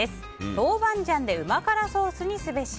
豆板醤でうま辛ソースにすべし